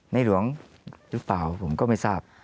หลวงหรือเปล่าผมก็ไม่ทราบ